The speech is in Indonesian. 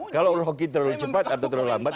kalau hoki terlalu cepat atau terlalu lambat